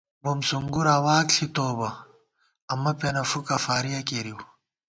بُم سُونگُرا واک ݪِتوؤ بہ ، امہ پېنہ فُوکہ فارِیَہ کېرِیؤ